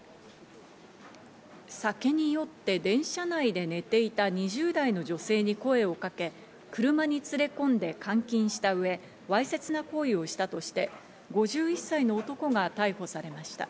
酒に酔って電車内で寝ていた２０代の女性に声をかけ、車に連れ込んで監禁した上、わいせつな行為をしたとして５１歳の男が逮捕されました。